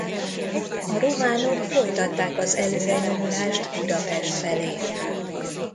A románok folytatták az előrenyomulást Budapest felé.